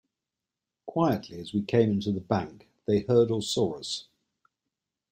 Quietly as we came into the bank, they heard or saw us.